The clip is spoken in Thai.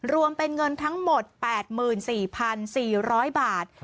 รวมเป็นเงินทั้งหมด๘๔๔๐๐บาท